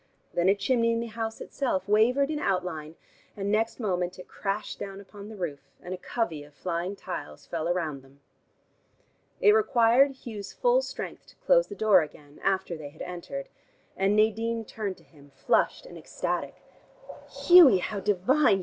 Then a chimney in the house itself wavered in outline, and next moment it crashed down upon the roof, and a covey of flying tiles fell round them. It required Hugh's full strength to close the door again, after they had entered, and Nadine turned to him, flushed and ecstatic. "Hughie, how divine!"